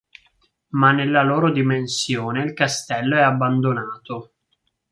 Ma nella loro dimensione il castello è abbandonato.